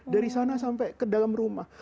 dari sana sampai ke dalam rumah